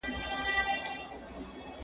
که وخت وي، کالي وچوم،